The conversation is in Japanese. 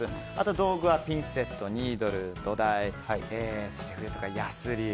道具はピンセット、ニードル土台、そしてヤスリ。